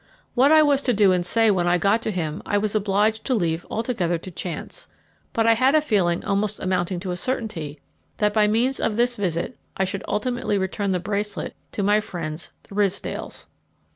What I was to do and say when I got to him I was obliged to leave altogether to chance; but I had a feeling almost amounting to a certainty that by means of this visit I should ultimately return the bracelet to my friends the Ridsdales.